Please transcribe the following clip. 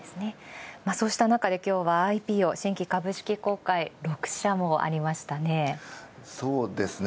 そうしたなかで、今日はＩＰＯ新規株式公開が６社ありましたね。